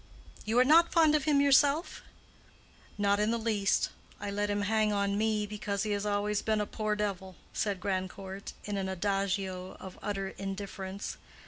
"You are not fond of him yourself?" "Not in the least. I let him hang on me because he has always been a poor devil," said Grandcourt, in an adagio of utter indifference.